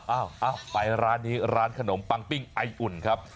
เอ้าไปร้านนี้ร้านขนมปังปิ้งไออุ่นครับ